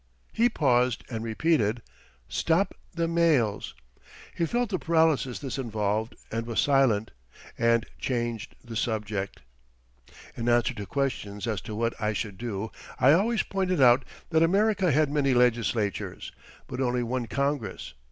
He paused and repeated: "Stop the mails." He felt the paralysis this involved and was silent, and changed the subject. In answer to questions as to what I should do, I always pointed out that America had many legislatures, but only one Congress.